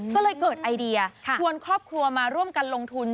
ก็เลยเกิดไอเดียชวนครอบครัวมาร่วมกันลงทุน